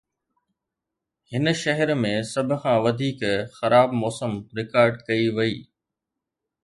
هن شهر ۾ سڀ کان وڌيڪ خراب موسم رڪارڊ ڪئي وئي